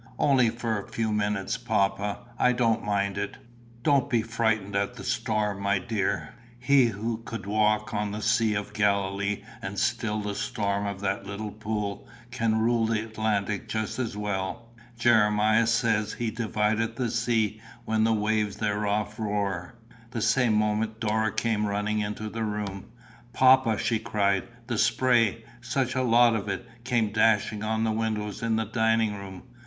"Only for a few minutes, papa. I don't mind it." "Don't he frightened at the storm, my dear. He who could walk on the sea of Galilee, and still the storm of that little pool, can rule the Atlantic just as well. Jeremiah says he 'divideth the sea when the waves thereof roar.'" The same moment Dora came running into the room. "Papa," she cried, "the spray such a lot of it came dashing on the windows in the dining room.